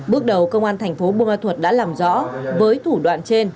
bước đầu công an thành phố buôn thuộc đã làm rõ với thủ đoạn trên